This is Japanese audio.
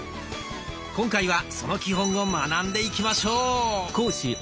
今回はその基本を学んでいきましょう。